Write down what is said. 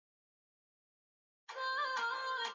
Siamini hao wengine